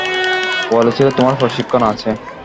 বলেছিলে তোমার প্রশিক্ষণ আছে।